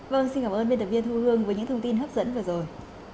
vâng xin cảm ơn biên tập viên thu hương với những thông tin hấp dẫn vừa rồi